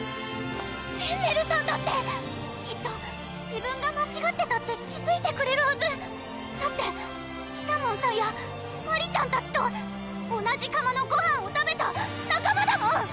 フェンネルさんだってきっと自分が間ちがってたって気づいてくれるはずだってシナモンさんやマリちゃんたちと同じ釜のごはんを食べた仲間だもん！